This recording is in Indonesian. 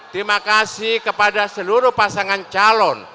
terima kasih kepada seluruh pasangan calon